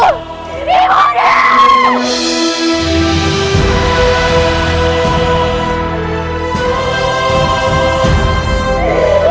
ibu dia ibu dia jangan tinggalkan aku